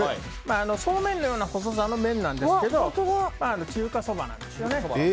そうめんのような細さの麺なんですが中華そばなんですよね。